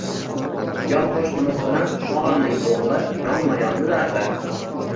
Yon qo`shnimiz bilan tog`amning o`g`li yonma-yon yurardi